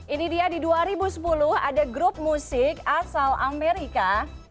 ini dia di dua ribu sepuluh ada grup musik asal amerika